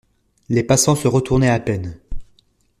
Les passants se retournaient à peine.